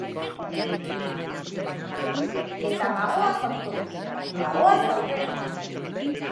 Zer lehengairekin lan egiten duzue lokalean kantu bat eraikitzeko?